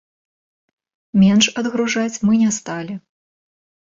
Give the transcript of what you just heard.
Менш адгружаць мы не сталі.